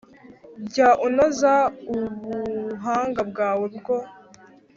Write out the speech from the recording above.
Jya unoza ubuhanga bwawe bwo